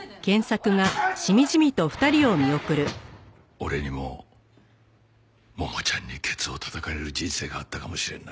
俺にも桃ちゃんにケツをたたかれる人生があったかもしれんな。